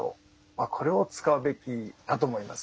これを使うべきだと思います。